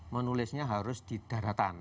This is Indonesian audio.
menulisnya harus di daratan